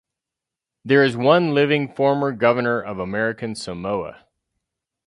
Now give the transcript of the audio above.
There is one living former governor of American Samoa.